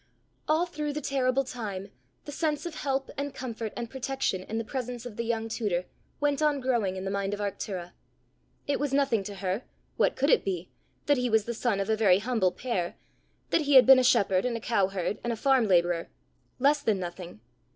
All through the terrible time, the sense of help and comfort and protection in the presence of the young tutor, went on growing in the mind of Arctura. It was nothing to her what could it be? that he was the son of a very humble pair; that he had been a shepherd, and a cow herd, and a farm labourer less than nothing.